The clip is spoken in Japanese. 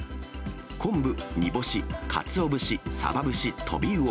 昆布、煮干し、かつお節、さば節、トビウオ。